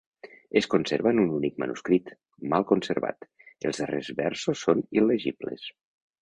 Es conserva en un únic manuscrit, mal conservat; els darrers versos són il·legibles.